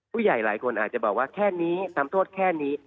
ผู้ใหญ่หลายคนอาจจะบอกว่าแค่นี้ทำโทษแค่นี้